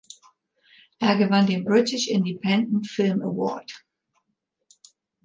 Er gewann den British Independent Film Award.